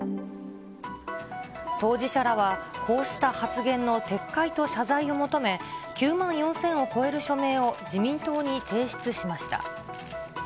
当事者らは、こうした発言の撤回と謝罪を求め、９万４０００を超える署名を自民党に提出しました。